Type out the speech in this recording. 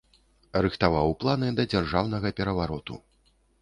Рыхтаваў планы да дзяржаўнага перавароту.